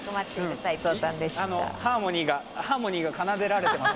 ハーモニーが奏でられています。